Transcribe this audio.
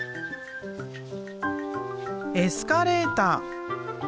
エスカレーター。